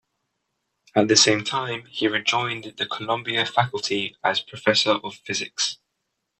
At the same time, he rejoined the Columbia faculty as Professor of Physics.